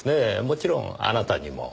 もちろんあなたにも。